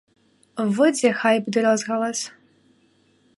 Во дзе хайп ды розгалас.